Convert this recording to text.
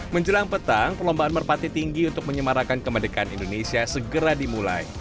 menjelang petang perlombaan merpati tinggi untuk menyemarakan kemerdekaan indonesia segera dimulai